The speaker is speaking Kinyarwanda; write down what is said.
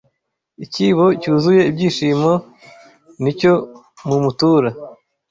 Ikibo cyuzuye ibishyimbo nicyo mumutura